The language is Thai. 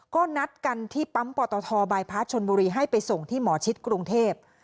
ก็นัดกันที่ปั๊มปตทบายพาร์ทชนบุรีให้ไปส่งที่หมอชิดกรุงเทพ